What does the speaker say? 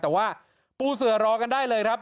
แต่ว่าปูเสือรอกันได้เลยครับ